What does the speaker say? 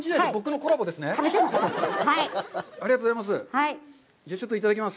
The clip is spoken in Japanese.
ありがとうございます。